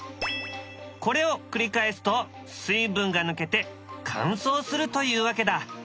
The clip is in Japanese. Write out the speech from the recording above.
これを繰り返すと水分が抜けて乾燥するというわけだ。